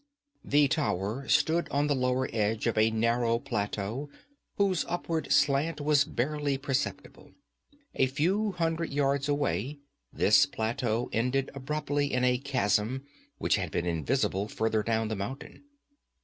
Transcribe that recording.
The tower stood on the lower edge of a narrow plateau whose upward slant was barely perceptible. A few hundred yards away this plateau ended abruptly in a chasm which had been invisible farther down the mountain.